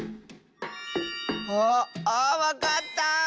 ああっわかった！